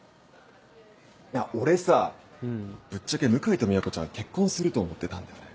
ぶっちゃけ向井と美和子ちゃん結婚すると思ってたんだよね。